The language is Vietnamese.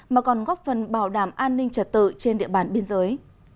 mà còn góp phần bảo đảm an ninh trật tự trên địa bàn biên giới